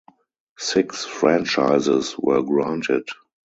Six franchises were granted.